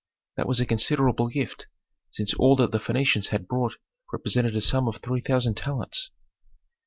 That was a considerable gift, since all that the Phœnicians had brought represented a sum of three thousand talents.